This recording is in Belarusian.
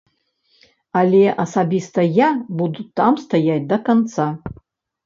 Але асабіста я буду там стаяць да канца.